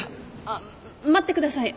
あっ待ってください。